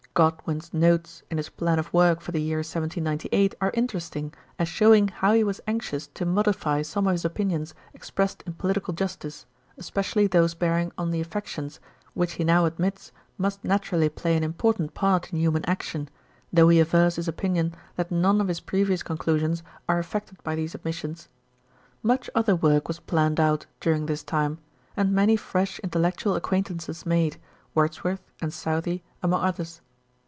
Godwin's notes in his plan of work for the year 1798 are interesting, as showing how he was anxious to modify some of his opinions expressed in Political Justice, especially those bearing on the affections, which he now admits must naturally play an important part in human action, though he avers his opinion that none of his previous conclusions are affected by these admissions. Much other work was planned out during this time, and many fresh intellectual acquaintances made, Words worth and Southey among others.